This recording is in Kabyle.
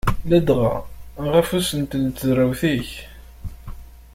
Ladɣa ɣef usentel n tezrawt-ik.